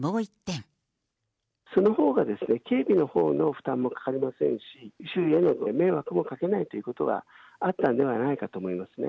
そのほうが警備のほうの負担もかかりませんし、周囲への迷惑をかけないということがあったんではないかと思いますね。